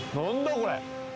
これ。